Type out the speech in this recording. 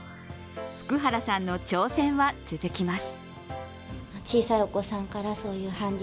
福原さんの挑戦は続きます。